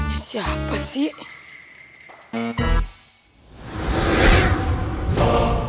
ini siapa sih